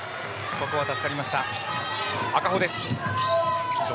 ここは助かりました。